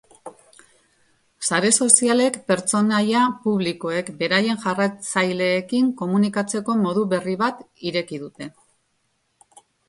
Sare sozialek pertsonaia publikoek beraien jarraitzaileekin komunikatzeko modu berri bat ireki dute.